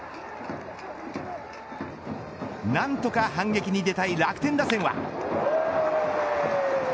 何とか反撃に出たい楽天打線は。